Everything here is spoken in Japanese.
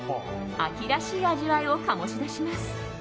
秋らしい味わいを醸し出します。